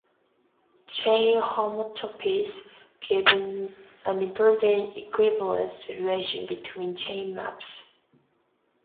Chain homotopies give an important equivalence relation between chain maps.